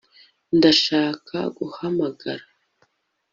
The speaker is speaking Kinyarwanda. Ndashaka guhamagara